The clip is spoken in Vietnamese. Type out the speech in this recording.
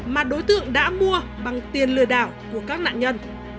mà đối tượng đã mua bằng tiền lừa đảo của các nạn nhân